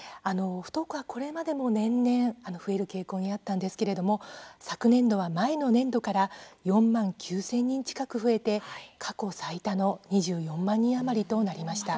不登校はこれまでも年々増える傾向にあったんですけれども昨年度は前の年度から４万９０００人近く増えて過去最多の２４万人余りとなりました。